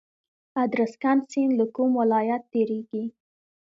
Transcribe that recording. ادرسکن سیند له کوم ولایت تیریږي؟